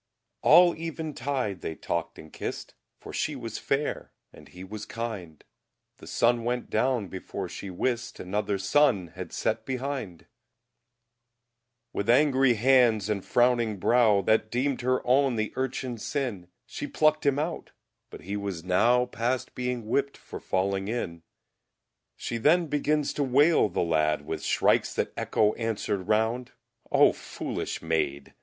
All Even Tide they Talkde and Kist, For She was Fayre and He was Kinde; The Sunne went down before She wist Another Sonne had sett behinde! With angrie Hands and frownynge Browe, That deemd Her owne the Urchine's Sinne, She pluckt Him out, but he was nowe Past being Whipt for fallynge in. She then beginnes to wayle the Ladde With Shrikes that Echo answered round O foolish Mayd!